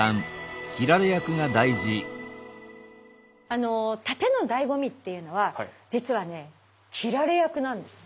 あの殺陣のだいご味っていうのは実はね斬られ役なんです。